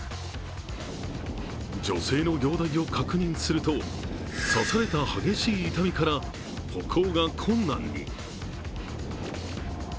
女性の容体を確認すると、刺された激しい痛みから歩行が困難に。